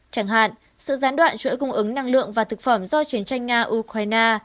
chẳng hạn sự gián đoạn chuỗi cung ứng năng lượng và thực phẩm do chiến tranh nga ukraine